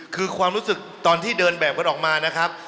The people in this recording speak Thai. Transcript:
คือความรู้สึกตอนที่เดินแบบกันออกมานะครับ